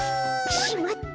しまった！